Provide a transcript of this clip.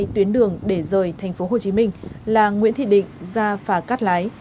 hai tuyến đường để rời tp hcm là nguyễn thị định ra phà cát lái